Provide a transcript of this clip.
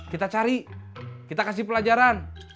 kita cari kita kasih pelajaran